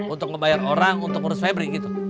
untuk ngebayar orang untuk ngurus febri gitu